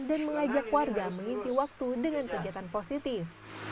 dan mengajak warga mengisi waktu dengan kegiatan positif